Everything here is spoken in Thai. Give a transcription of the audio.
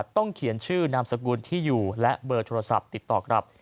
เขียนชื่อนามสกุลที่อยู่และเบอร์โทรศัพท์ติดต่อกลับ